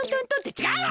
ちがうわ！